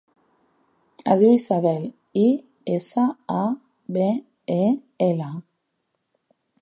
Es diu Isabel: i, essa, a, be, e, ela.